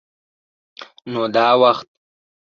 _نو دا وخت؟